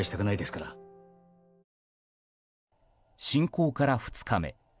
侵攻から２日目。